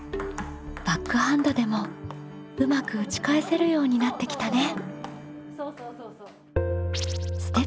バックハンドでもうまく打ち返せるようになってきたね。